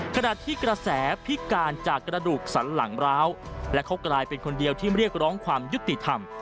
ขณะที่กระแสพิการจากกระดูกสันหลังร้าวและเขากลายเป็นคนเดียวที่เรียกร้องความยุติธรรม